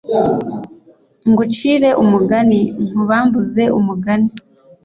Ngucire umugani nkubambuze umugani